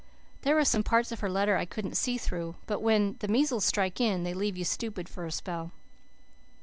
There were some parts of her letter I couldn't see through, but when the measles strike in, they leave you stupid for a spell.